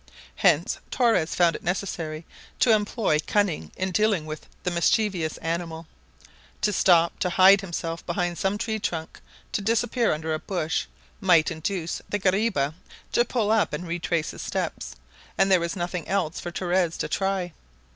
Hence Torres found it necessary to employ cunning in dealing with the mischievous animal. To stop, to hide himself behind some tree trunk, to disappear under a bush, might induce the guariba to pull up and retrace his steps, and there was nothing else for Torres to try.